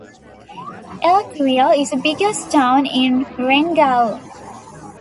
Eltville is the biggest town in the Rheingau.